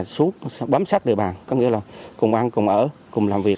suốt bám sát địa bàn có nghĩa là cùng ăn cùng ở cùng làm việc